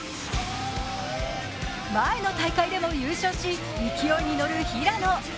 前の大会でも優勝し、勢いに乗る平野。